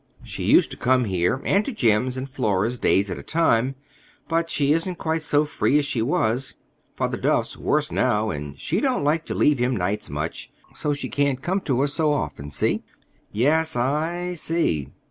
She used to come here and to Jim's and Flora's days at a time; but she isn't quite so free as she was—Father Duff's worse now, and she don't like to leave him nights, much, so she can't come to us so often. See?" "Yes, I—see."